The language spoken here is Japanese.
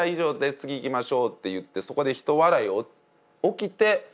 次いきましょう」って言ってそこでひと笑い起きて次にいく。